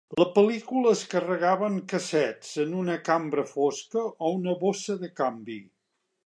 La pel·lícula es carregava en cassets en una cambra fosca o una bossa de canvi.